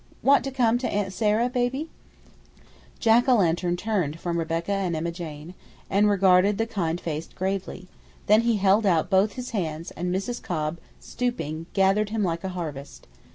Want to come to Aunt Sarah, baby?" Jack o' lantern turned from Rebecca and Emma Jane and regarded the kind face gravely; then he held out both his hands and Mrs. Cobb, stooping, gathered him like a harvest.